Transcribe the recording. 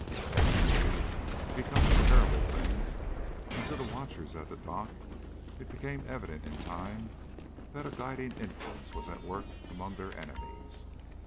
Then, indeed, it becomes a terrible thing, and to the watchers at the dock it became evident, in time, that a guiding influence was at work among their enemies.